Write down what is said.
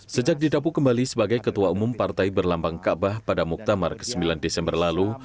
sejak didapuk kembali sebagai ketua umum partai berlambang kaabah pada muktamar ke sembilan desember lalu